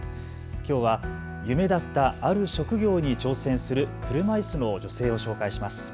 きょうは夢だったある職業に挑戦する車いすの女性を紹介します。